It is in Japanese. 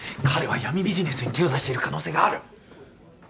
彼は闇ビジネスに手を出している可能性がある！